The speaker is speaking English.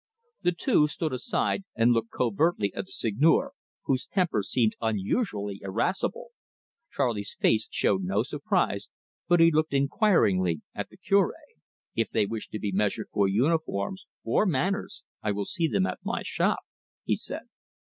The two stood aside, and looked covertly at the Seigneur, whose temper seemed unusually irascible. Charley's face showed no surprise, but he looked inquiringly at the Cure. "If they wish to be measured for uniforms or manners I will see them at my shop," he said.